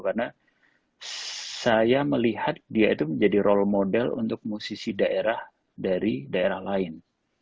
karena saya melihat dia itu menjadi role model untuk musisi daerah dari daerah lain